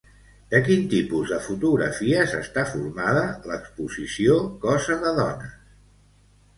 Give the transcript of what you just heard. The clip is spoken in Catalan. De quin tipus de fotografies està formada l'exposició Cosa de dones?